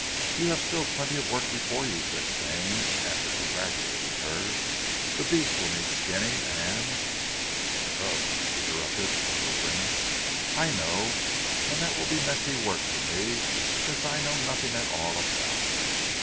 "You have still plenty of work before you," said Stane, after congratulating her. "The beast will need skinning and " "Ugh!" she interrupted with a little grimace. "I know, and that will be messy work for me, since I know nothing at all about it."